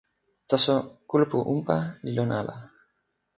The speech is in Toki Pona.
taso kulupu unpa li lon ala.